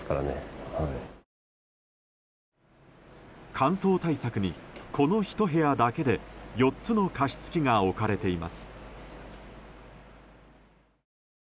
乾燥対策にこの一部屋だけで４つの加湿器が置かれています。